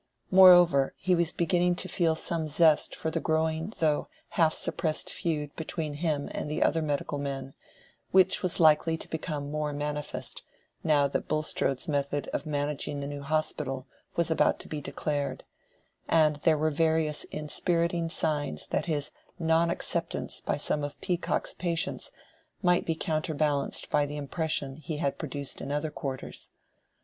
Moreover, he was beginning to feel some zest for the growing though half suppressed feud between him and the other medical men, which was likely to become more manifest, now that Bulstrode's method of managing the new hospital was about to be declared; and there were various inspiriting signs that his non acceptance by some of Peacock's patients might be counterbalanced by the impression he had produced in other quarters.